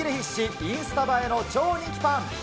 インスタ映えの超人気パン。